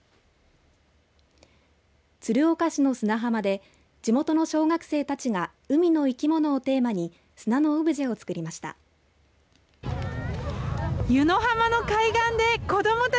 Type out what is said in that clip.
鶴岡市の砂浜で地元の小学生たちが海の生き物をテーマに砂のオブジェをつくりました。